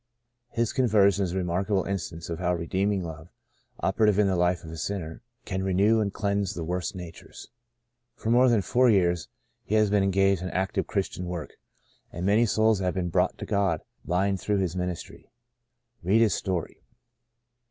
His conversion is a remarkable instance of how Redeeming Love, operative in the life of a sinner, can renew and cleanse the worst natures. For more than four years he has been engaged in active Christian work, and many souls have been brought to God by and through his ministry. Read his story.